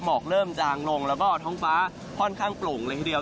หมอกเริ่มจางลงแล้วก็ท้องฟ้าค่อนข้างโปร่งเลยทีเดียว